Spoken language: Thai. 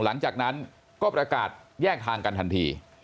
หลังจากนั้นก็ประกาศแยกทางกันทันที